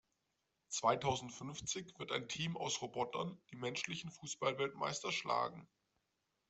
Zweitausendfünfzig wird ein Team aus Robotern die menschlichen Fußballweltmeister schlagen.